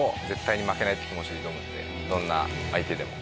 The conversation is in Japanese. どんな相手でも。